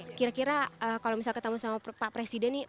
kira kira kalau misal ketemu sama pak presiden nih